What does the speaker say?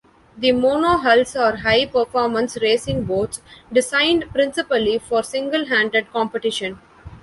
The monohulls are high-performance racing boats, designed principally for single-handed competition.